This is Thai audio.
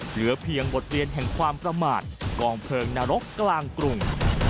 เหลือเพียงบทเรียนแห่งความประมาทกองเพลิงนรกกลางกรุง